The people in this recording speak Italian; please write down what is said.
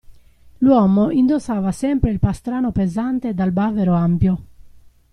L'uomo indossava sempre il pastrano pesante dal bavero ampio.